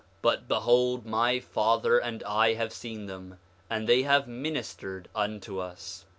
8:11 But behold, my father and I have seen them, and they have ministered unto us.